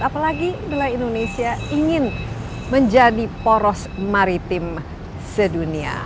apalagi bila indonesia ingin menjadi poros maritim sedunia